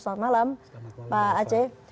selamat malam pak aceh